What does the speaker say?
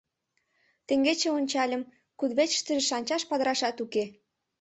Теҥгече ончальым – кудывечыштыже шанчаш падырашат уке.